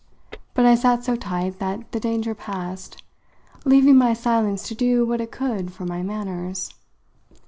But I sat so tight that the danger passed, leaving my silence to do what it could for my manners.